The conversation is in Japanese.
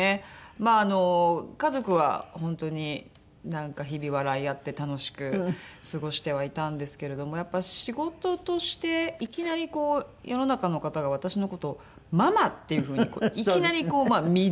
まああの家族は本当になんか日々笑い合って楽しく過ごしてはいたんですけれどもやっぱ仕事としていきなり世の中の方が私の事をママっていう風にいきなりこう見る。